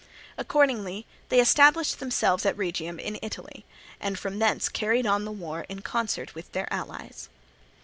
Accordingly they established themselves at Rhegium in Italy, and from thence carried on the war in concert with their allies.